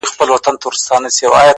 • بابولاره وروره راسه تې لار باسه ـ